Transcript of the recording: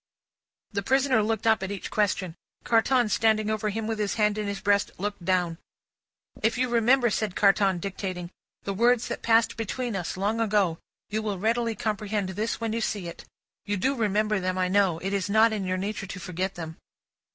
The prisoner looked up, at each question. Carton, standing over him with his hand in his breast, looked down. "'If you remember,'" said Carton, dictating, "'the words that passed between us, long ago, you will readily comprehend this when you see it. You do remember them, I know. It is not in your nature to forget them.